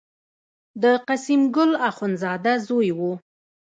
د قسیم ګل اخوندزاده زوی و.